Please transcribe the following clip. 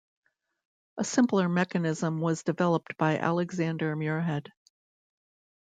A simpler mechanism was developed by Alexander Muirhead.